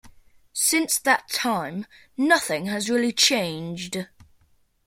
Since that time, nothing has really changed.